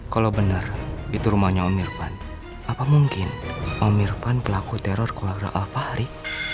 kalau benar itu rumahnya om irfan apa mungkin om irfan pelaku teror keluarga alfahri